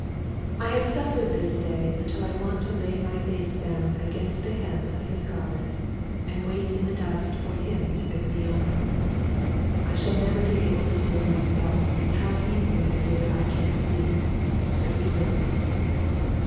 I have suffered this day until I want to lay my face down against the hem of His garment and wait in the dust for Him to pick me up. I shall never be able to do it myself, and how He's going to do it I can't see, but He will.